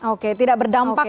oke tidak berdampak